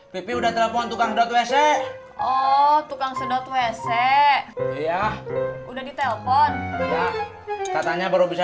pipi udah telepon tukang sedot wc oh tukang sedot wc ya udah ditelepon katanya baru bisa